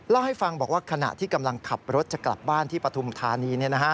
เล่าให้ฟังบอกว่าขณะที่กำลังขับรถจะกลับบ้านที่ปฐุมธานี